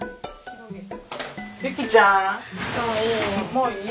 もういい。